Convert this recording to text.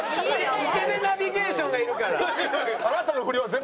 スケベナビゲーションがいるから。